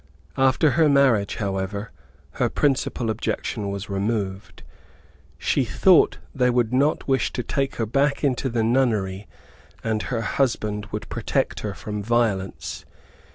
After her marriage, however, her principal objection was removed. She thought they would not wish to take her back into the nunnery, and her husband would protect her from violence.